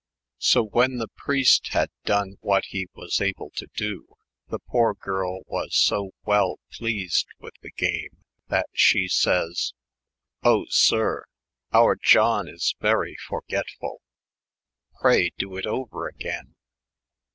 So when the preist had don what he was able to do, the poor girl was so T^eel pleased ■wiih the game, that she says, " Oh : Sir, our John is verie forgetfull ! pray doe it over again